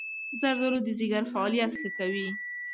زردآلو د ځيګر فعالیت ښه کوي.